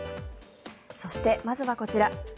そして、まずはこちら。